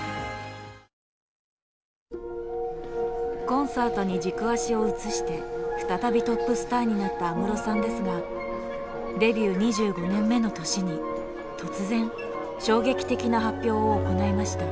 コンサートに軸足を移して再びトップスターになった安室さんですがデビュー２５年目の年に突然衝撃的な発表を行いました。